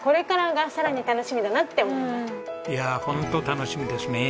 いやあホント楽しみですね。